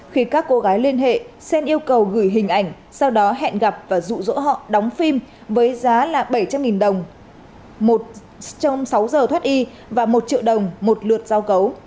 khi các cô gái liên hệ sen yêu cầu gửi hình ảnh sau đó hẹn gặp và rụ rỗ họ đóng phim với giá là bảy trăm linh đồng trong sáu giờ thoát y và một triệu đồng một lượt giao cấu